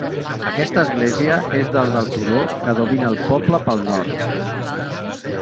Aquesta església és dalt del turó que domina el poble pel nord.